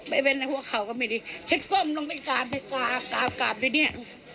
ไม่ได้เท้าเขาก็ไม่ได้เช็ดค่อยบไปกาบไปนี่